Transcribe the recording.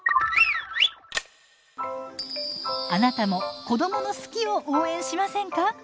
あなたも子どもの「好き」を応援しませんか？